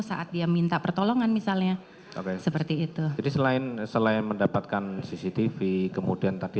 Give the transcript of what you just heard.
saat dia minta pertolongan misalnya oke seperti itu jadi selain selain mendapatkan cctv kemudian tadi